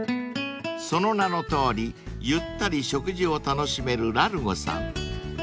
［その名のとおりゆったり食事を楽しめるＬＡＲＧＯさん］